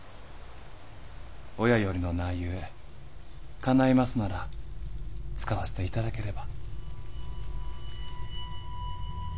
親よりの名ゆえかないますなら使わせて頂ければ。